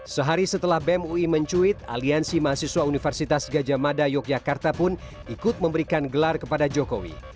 sehari setelah bem ui mencuit aliansi mahasiswa universitas gajah mada yogyakarta pun ikut memberikan gelar kepada jokowi